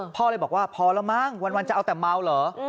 พ่อเลยบอกว่าพอแล้วมั้งวันจะเอาแต่เมาเหรอ